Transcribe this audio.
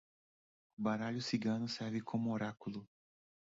O baralho cigano serve como oráculo